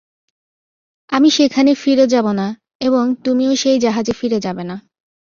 আমি সেখানে ফিরে যাব না, এবং তুমিও সেই জাহাজে ফিরে যাবে না।